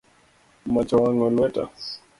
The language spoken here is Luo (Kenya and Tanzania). Mach owang’o lweta